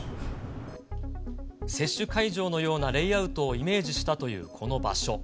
接種会場のようなレイアウトをイメージしたというこの場所。